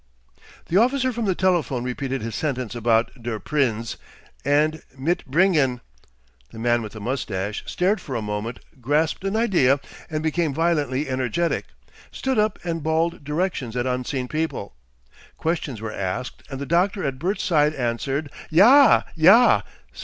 The officer from the telephone repeated his sentence about "Der Prinz" and "mitbringen." The man with the moustache stared for a moment, grasped an idea and became violently energetic, stood up and bawled directions at unseen people. Questions were asked, and the doctor at Bert's side answered, "Ja! Ja!"